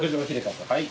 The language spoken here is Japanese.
はい。